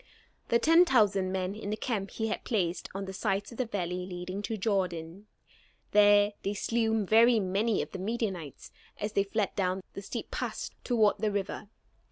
The ten thousand men in the camp he had placed on the sides of the valley leading to the Jordan. There they slew very many of the Midianites as they fled down the steep pass toward the river.